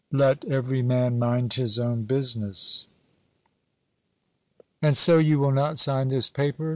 LET EVERY MAN MIND HIS OWN BUSINESS. "And so you will not sign this paper?"